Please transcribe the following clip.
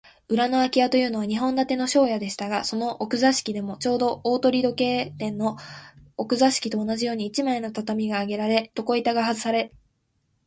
裏のあき家というのは、日本建ての商家でしたが、その奥座敷でも、ちょうど大鳥時計店の奥座敷と同じように、一枚の畳があげられ、床板がはずされ、